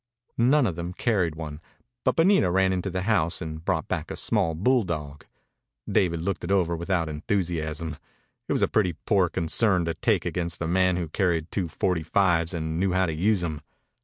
None of them carried one, but Bonita ran into the house and brought back a small bulldog. Dave looked it over without enthusiasm. It was a pretty poor concern to take against a man who carried two forty fives and knew how to use them.